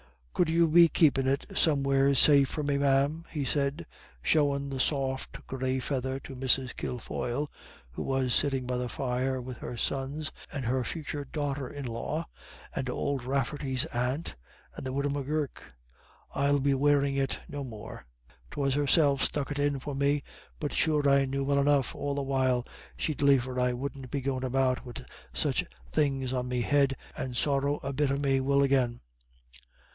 "Could you be keepin' it somewheres safe for me, ma'am?" he said, showing the soft grey feather to Mrs. Kilfoyle, who was sitting by the fire with her sons and her future daughter in law, and Ody Rafferty's aunt, and the Widow M'Gurk. "I'll be wearin' it no more. 'Twas she herself stuck it in for me, but sure I knew well enough all the while she'd liefer I wouldn't be goin' about wid such things on me head, and sorra a bit of me will agin."